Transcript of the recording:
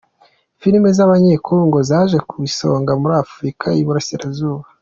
Filimi z’Abanyekongo zaje ku isonga muri afurika yiburasira zuba